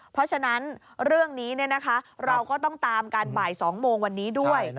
เพราะฉะนั้นเรื่องนี้เราก็ต้องตามกันบ่าย๒โมงวันนี้ด้วย